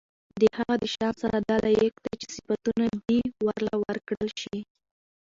د هغه د شان سره دا لائق دي چې صفتونه دي ورله وکړل شي